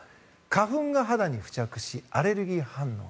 花粉が肌に付着しアレルギー反応。